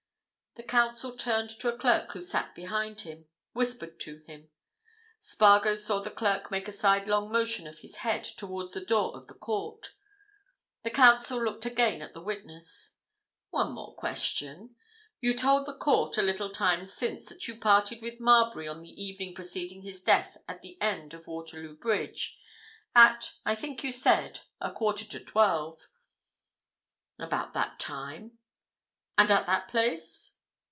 The Counsel turned to a clerk who sat behind him, whispered to him; Spargo saw the clerk make a sidelong motion of his head towards the door of the court. The Counsel looked again at the witness. "One more question. You told the court a little time since that you parted with Marbury on the evening preceding his death at the end of Waterloo Bridge—at, I think you said, a quarter to twelve." "About that time." "And at that place?"